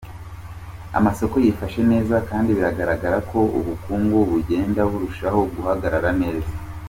Amasoko yifashe neza kandi biragaragara ko ubukungu bugenda burushaho guhagarara neza.